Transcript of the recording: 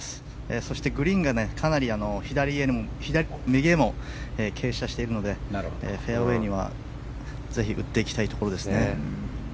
そしてグリーンがかなり右へも傾斜しているのでフェアウェーには、ぜひ打っていきたいところですね。